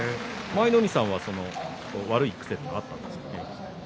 舞の海さんは悪い癖ってあったんですか。